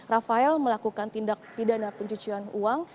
rafael melakukan tindak pidana pencucian uang